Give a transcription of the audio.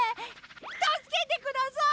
たすけてください！